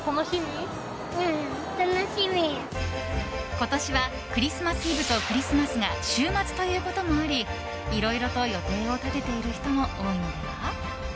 今年はクリスマスイブとクリスマスが週末ということもありいろいろと予定を立てている人も多いのでは？